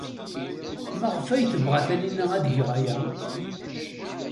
Maɣef ay tebɣa Taninna ad geɣ aya?